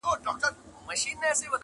کليوال ژوند بدل ښکاري ظاهراً